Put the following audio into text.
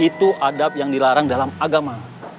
itu adab yang dilarang dalam agama